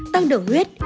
tăng đường huyết